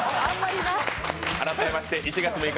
改めまして１月６日